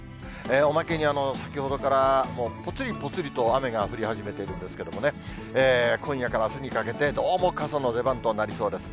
おまけに先ほどから、ぽつりぽつりと雨が降り始めているんですけれども、今夜からあすにかけて、どうも傘の出番となりそうです。